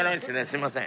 すいません。